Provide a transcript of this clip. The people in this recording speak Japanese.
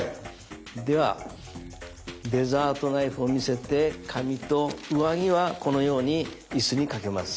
ではデザートナイフを見せて紙と上着はこのように椅子に掛けます。